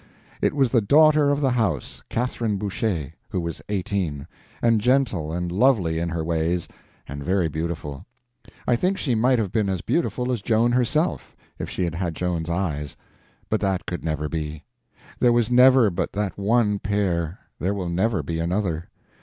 It was the daughter of the house, Catherine Boucher, who was eighteen, and gentle and lovely in her ways, and very beautiful. I think she might have been as beautiful as Joan herself, if she had had Joan's eyes. But that could never be. There was never but that one pair, there will never be another.